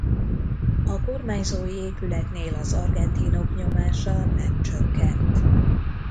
A kormányzói épületnél az argentinok nyomása nem csökkent.